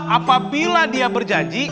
apabila dia berjanji